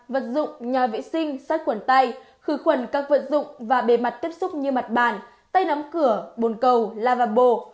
vật dụng nhà vệ sinh sách quần tay khử khuẩn các vật dụng và bề mặt tiếp xúc như mặt bàn tay nắm cửa bồn cầu lavabo